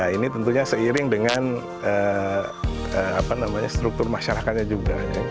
ini tentunya seiring dengan struktur masyarakatnya juga